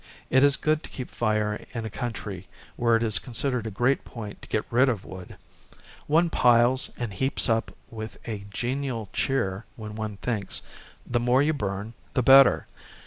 It is good to keep fire in a country where it is considered a great point to get rid of wood. One piles and heaps up with a genial cheer when one thinks, "The more you burn, the better."